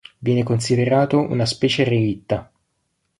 Viene considerato una specie relitta.